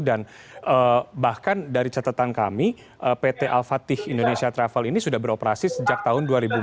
bahkan dari catatan kami pt al fatih indonesia travel ini sudah beroperasi sejak tahun dua ribu dua puluh